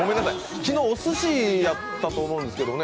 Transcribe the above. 昨日、おすしやったと思うんですけどね。